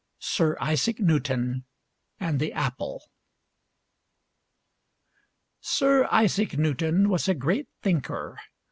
SIR ISAAC NEWTON AND THE APPLE Sir Isaac Newton was a great thinker.